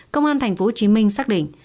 công an tp hcm xác định